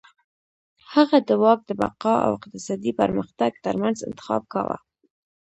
هغه د واک د بقا او اقتصادي پرمختګ ترمنځ انتخاب کاوه.